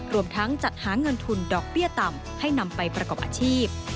รวมทั้งจัดหาเงินทุนดอกเบี้ยต่ำให้นำไปประกอบอาชีพ